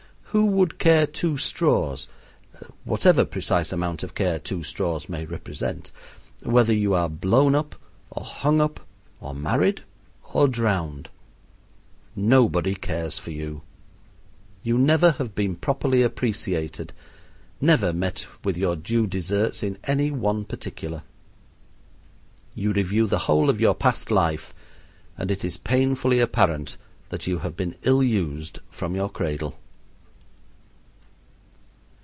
Who would care two straws (whatever precise amount of care two straws may represent) whether you are blown up, or hung up, or married, or drowned? Nobody cares for you. You never have been properly appreciated, never met with your due deserts in any one particular. You review the whole of your past life, and it is painfully apparent that you have been ill used from your cradle.